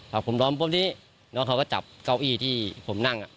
ผักผมล้มปุ๊บนี้น้องเขาก็จับเก้าอี้ที่ผมนั่ง